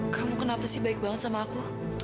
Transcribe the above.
kamu kenapa sih baik banget sama aku